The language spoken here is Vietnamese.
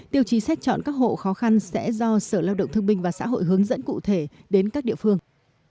tiêu chí xét chọn các hộ khó khăn sẽ do sở lao động thương minh và xã hội hướng dẫn cụ thể đến các địa phương